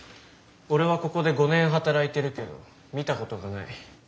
俺はここで５年働いてるけど見たことがない。